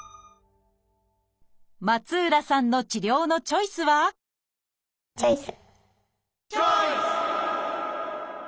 松浦さんの治療のチョイスはチョイス！